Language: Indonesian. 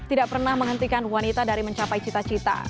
tidak pernah menghentikan wanita dari mencapai cita cita